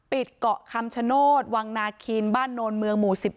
เกาะคำชโนธวังนาคีนบ้านโนนเมืองหมู่๑๑